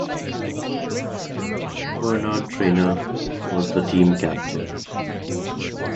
Bernard Traynor was the team captain.